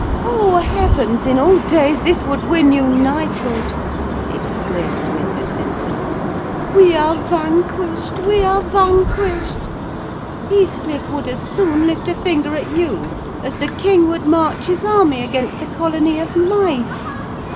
"Oh, heavens! In old days this would win you knighthood!" exclaimed Mrs. Linton. "We are vanquished! we are vanquished! Heathcliff would as soon lift a finger at you as the king would march his army against a colony of mice.